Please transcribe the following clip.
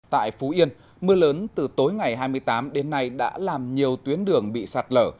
tại phú yên mưa lớn từ tối ngày hai mươi tám đến nay đã làm nhiều tuyến đường bị sạt lở